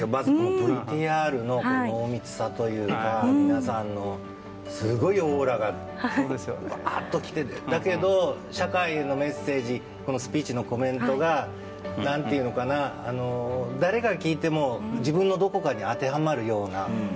ＶＴＲの濃密さというか皆さんのすごいオーラがもわっと来てだけど、社会へのメッセージスピーチのコメントが誰が聞いても自分のどこかに当てはまるような。